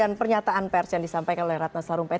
pernyataan pers yang disampaikan oleh ratna sarumpait